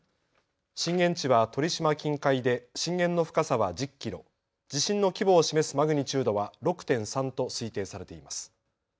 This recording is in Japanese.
震源地は鳥島近海で震源の深さは１０キロ、地震の規模を示すマグニチュードは６．３と推定されています。